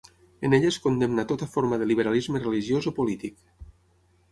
En ella es condemna tota forma de liberalisme religiós o polític.